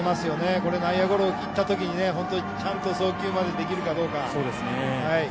これ内野ゴロいったときにちゃんと送球までできるかどうか。